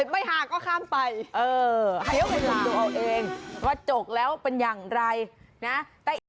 ไม่หากก็ข้ามไปเออเอาเองว่าจกแล้วเป็นอย่างไรนะ